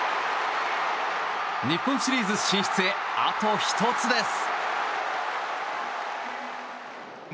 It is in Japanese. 日本シリーズ進出へあと１つです！